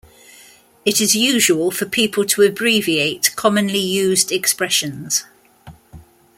It is usual for people to abbreviate commonly used expressions.